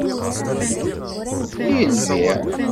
I lbiε?